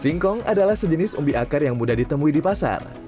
singkong adalah sejenis umbi akar yang mudah ditemui di pasar